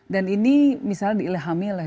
dan ini misalnya diilhamilah